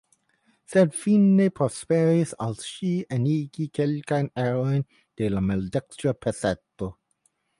Sed fine prosperis al ŝi enigi kelkajn erojn de la maldekstra peceto.